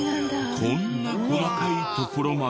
こんな細かいところまで。